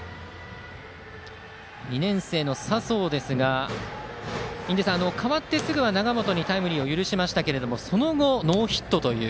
２年生の佐宗ですが代わってすぐは永本にタイムリーを許しましたがその後、ノーヒットという